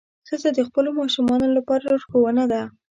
ښځه د خپلو ماشومانو لپاره لارښوده ده.